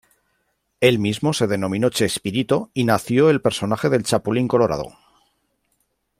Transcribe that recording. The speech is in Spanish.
El mismo se denominó "Chespirito" y nació el personaje del Chapulín Colorado.